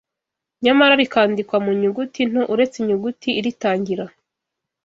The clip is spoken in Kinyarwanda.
Nyamara rikandikwa mu nyuguti nto uretse inyuguti iritangira